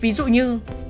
ví dụ như